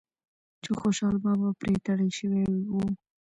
چې خوشحال بابا پرې تړل شوی و